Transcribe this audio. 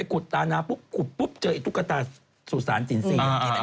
คุดตานามเจออีกตุ๊กตาสุสานจินซี